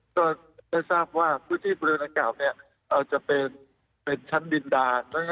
ก็ได้ทราบว่าพื้นที่ปริศนกราบจะเป็นชั้นดินดา